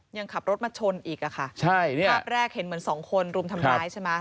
ยังขับรถมาชนอีกอะคะภาพแรกเห็นเหมือน๒คนรุมทำร้ายใช่ไหม